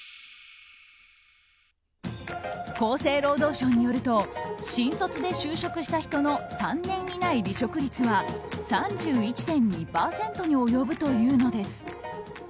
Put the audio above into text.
厚生労働省によると新卒で就職した人の３年以内離職率は３１．２％に及ぶというのです。